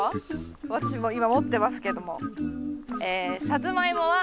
私今持ってますけども。